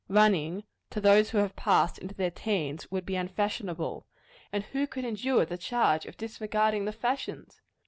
Running, to those who have passed into their teens, would be unfashionable; and who could endure the charge of disregarding the fashions?